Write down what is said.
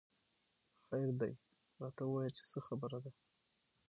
خېر دۍ راته وويه چې څه خبره ده